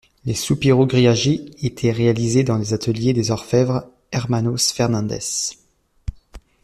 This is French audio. Les soupiraux grillagés été réalisés dans les ateliers des orfèvres Hermanos Fernández.